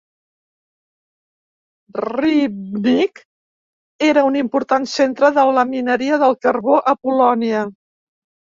Rybnik era un important centre de la mineria del carbó a Polònia.